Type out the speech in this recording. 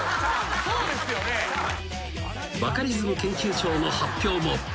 ［バカリズム研究長の発表も］